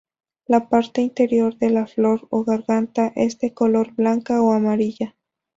La parte interior de la flor o garganta es de color blanca o amarilla.